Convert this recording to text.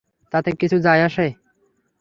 তাতে কিছু যায় আসে?